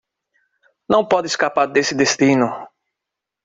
Não pode escapar desse destino